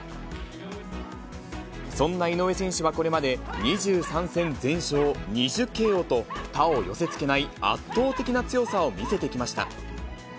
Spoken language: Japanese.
そんな井上選手はこれまで２３戦全勝、２０ＫＯと、他を寄せつけない圧倒的な強さを見せてきました。